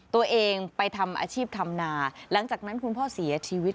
ตัวเองไปทำอาชีพทำนาหลังจากนั้นคุณพ่อเสียชีวิต